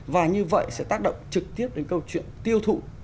và như vậy sẽ tác động trực tiếp đến câu chuyện tiêu thụ